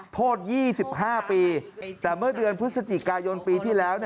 โทษ๒๕ปีแต่เมื่อเดือนพฤศจิกายนปีที่แล้ว